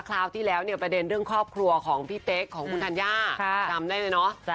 คราวที่แล้วประเด็นเรื่องครอบครัวของพี่ตกของคุณทัญญา